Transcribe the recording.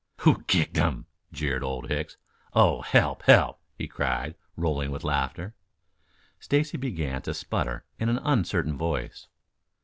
"Who kicked him?" jeered Old Hicks. "Oh, help, help!" he cried, rolling with laughter. Stacy began to sputter in an uncertain voice.